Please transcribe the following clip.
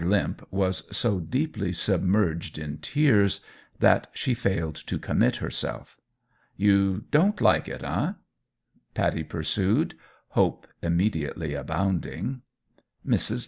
Limp was so deeply submerged in tears that she failed to commit herself. "You don't like it, eh?" Pattie pursued, hope immediately abounding. Mrs.